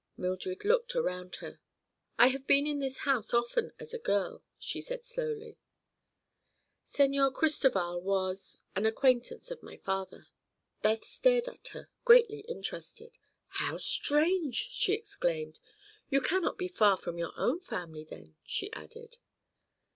Mildred looked around her. "I have been in this house often, as a girl," she said slowly. "Señor Cristoval was—an acquaintance of my father." Beth stared at her, greatly interested. "How strange!" she exclaimed. "You cannot be far from your own family, then," she added.